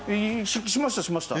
しましたしました。